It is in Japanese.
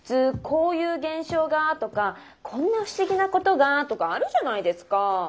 「こういう現象がー」とか「こんな不思議なことがー」とかあるじゃないですかぁ。